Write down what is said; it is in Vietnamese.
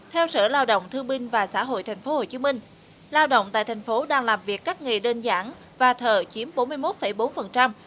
theo sở lao động thương binh và xã hội tp hcm lao động tại thành phố đang làm việc các nghề đơn giản và thợ chiếm bốn mươi một bốn